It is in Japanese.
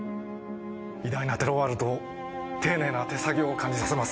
偉大なテロワールと丁寧な手作業を感じさせます。